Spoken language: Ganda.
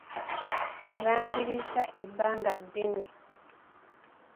Ebanjirizza ebbanga eddene.